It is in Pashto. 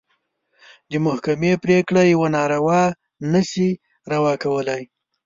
د محکمې پرېکړه يوه ناروا نه شي روا کولی.